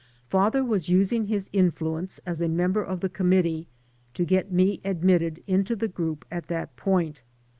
Father was usmg his influence as a member of the committee to get me admitted into the group at that point.